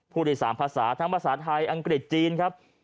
พูดใน๓ภาษาทั้งภาษาไทยอังกฤษจีนครับ